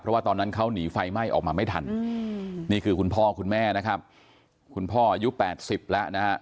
เพราะว่าตอนนั้นเขาหนีไฟไหม้ออกมาไม่ทันนี่คือคุณพ่อคุณแม่นะครับคุณพ่ออายุ๘๐แล้วนะฮะ